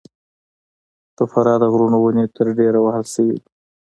د فراه د غرونو ونې تر ډېره وهل سوي دي.